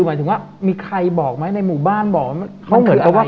หมายถึงว่ามีใครบอกไหมในหมู่บ้านบอกว่ามันคืออะไร